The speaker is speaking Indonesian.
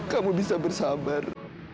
kamu bisa bersabar